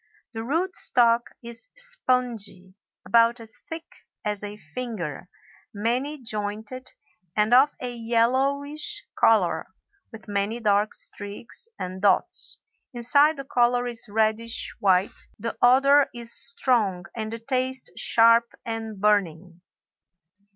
The root stock is spongy, about as thick as a finger, many jointed, and of a yellowish color, with many dark streaks and dots. Inside the color is reddish white. The odor is strong and the taste sharp and burning.